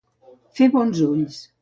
Fer bons ulls.